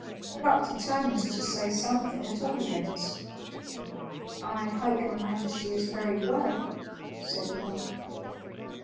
Gluck determined to say something at all events. "I hope your Majesty is very well," said Gluck.